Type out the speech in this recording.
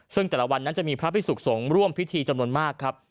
ซึ่งแต่ละวันนั้นจะมีพระพิสุขสงฆ์ร่วมพิธีจำนวนมากครับ